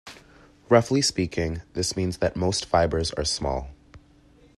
Roughly speaking, this means that most fibers are small.